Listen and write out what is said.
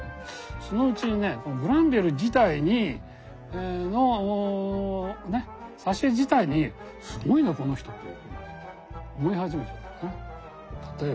そのうちにねこのグランヴィル自体のね挿絵自体にすごいなこの人って思い始めちゃったのね。